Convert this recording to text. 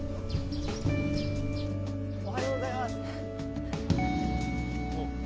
おはようございます！